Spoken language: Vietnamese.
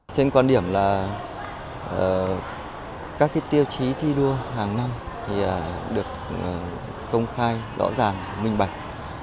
trên quan điểm là các tiêu chí thi đua hàng năm được công khai rõ ràng minh bạch